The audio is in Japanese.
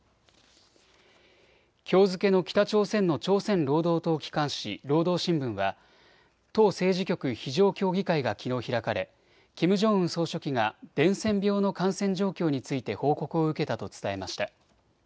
きょう付けの北朝鮮の朝鮮労働党機関紙、労働新聞は党政治局非常協議会がきのう開かれキム・ジョンウン総書記が伝染病の感染状況について報告を受けたと伝えました。